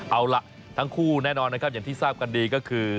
เอาล่ะทั้งคู่แน่นอนนะครับอย่างที่ทราบกันดีก็คือ